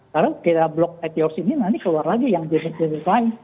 lalu kita blok at yours ini nanti keluar lagi yang jenis jenis lain